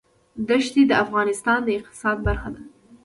دښتې د افغانستان د اقتصاد برخه ده.